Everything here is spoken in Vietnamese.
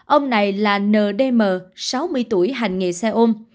ông này là n d m sáu mươi tuổi hành nghề xe ôm